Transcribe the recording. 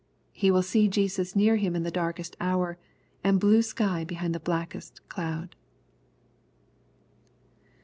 He will see Jesus near him in the darkest hour, and blue sky behind the blackest cloud.